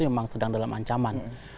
memang sedang dalam ancaman